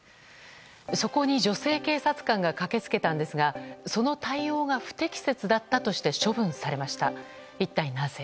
そこに女性警察官が駆け付けたんですがその対応が不適切だったとして処分されました。